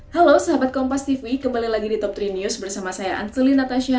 halo sahabat kompas tv kembali lagi di top tiga news bersama saya anteli natasha